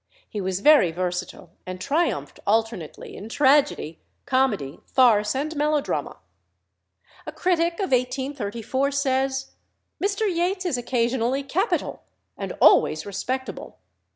He was very versatile, and triumphed alternately in tragedy, comedy, farce, and melodrama. A critic of 1834 says, "Mr. Yates is occasionally capital, and always respectable.